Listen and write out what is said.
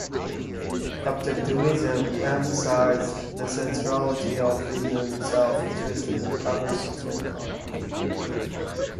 Objectivism emphasizes the centrality of reasoned self-interest to the progress of mankind.